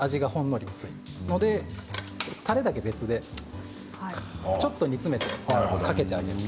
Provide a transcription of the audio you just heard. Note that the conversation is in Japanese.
たれだけ別で、ちょっと煮詰めてかけてあげます。